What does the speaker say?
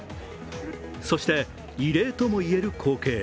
そして異例ともいえる光景。